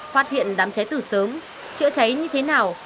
phát hiện đám cháy từ sớm chữa cháy như thế nào